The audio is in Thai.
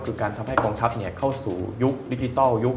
คือการทำให้กองทัพเข้าสู่ยุคดิจิทัลยุค